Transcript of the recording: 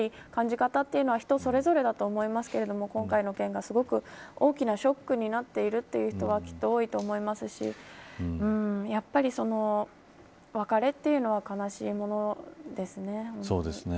安倍さんに対する印象や感じ方は人それぞれだと思いますけれども今回の件が、すごく大きなショックになっているという人はきっと多いと思いますしやっぱり別れというのはそうですね。